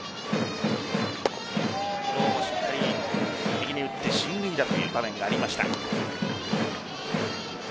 昨日もしっかり右に打って進塁打という場面がありました。